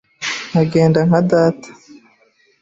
Nkagenda nka data